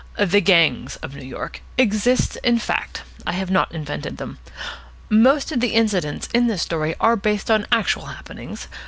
The "gangs" of New York exist in fact. I have not invented them. Most of the incidents in this story are based on actual happenings.